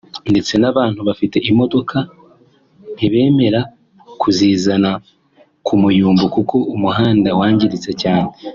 ndetse n’abantu bafite imodoka ntibemera kuzizana ku Muyumbu kuko umuhanda wangiritse cyane